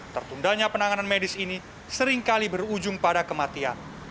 tertundanya penanganan medis ini seringkali berujung pada kematian